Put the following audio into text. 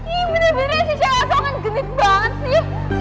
ih bener bener si sia wasongan genit banget sih